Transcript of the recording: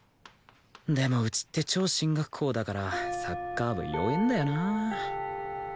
でもうちって超進学校だからサッカー部弱えんだよな